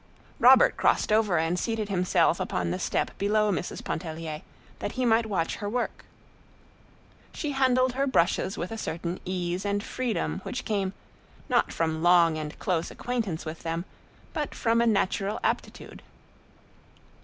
Robert crossed over and seated himself upon the step below Mrs. Pontellier, that he might watch her work. She handled her brushes with a certain ease and freedom which came, not from long and close acquaintance with them, but from a natural aptitude.